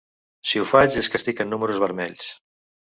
Si ho faig és que estic en números vermells.